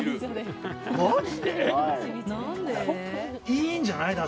いいんじゃないの？